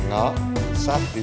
kenapa tuh sini